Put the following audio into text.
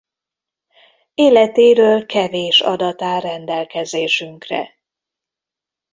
Életéről kevés adat áll rendelkezésünkre.